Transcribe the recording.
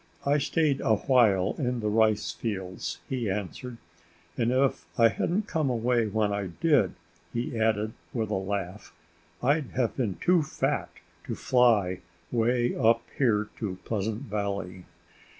"I stayed a while in the rice fields," he answered. "And if I hadn't come away when I did," he added with a laugh, "I'd have been too fat to fly way up here to Pleasant Valley."